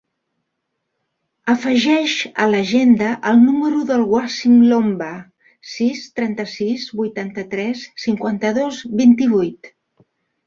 Afegeix a l'agenda el número del Wassim Lomba: sis, trenta-sis, vuitanta-tres, cinquanta-dos, vint-i-vuit.